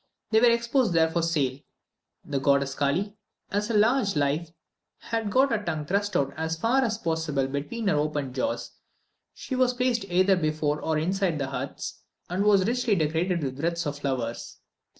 They were exposed there for sale. The goddess Kally, as large as life, had got her tongue thrust out as far as possible between her open jaws; she was placed either before or inside the huts, and was richly decorated with wreaths of flowers.